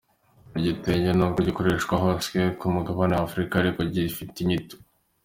igitenge nubwo gikoreshwa hose ku mugabane w’Afurika ariko gifite inyito